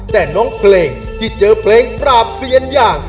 แต่น้องเพลงที่เจอเพลงปราบเซียนอย่าง